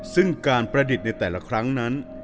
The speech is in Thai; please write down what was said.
ซึ่งการประดิษฐ์ในแต่ละครั้งนั้น